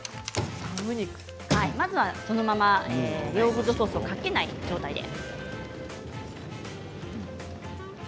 まずは、そのままヨーグルトソースをかけない状態で。